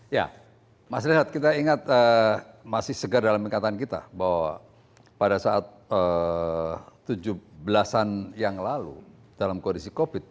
ya mas rehat kita ingat masih segar dalam ikatan kita bahwa pada saat tujuh belas an yang lalu dalam kondisi covid